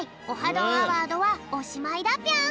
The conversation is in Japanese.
どんアワード」はおしまいだぴょん。